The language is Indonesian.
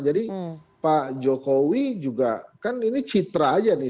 jadi pak jokowi juga kan ini citra aja nih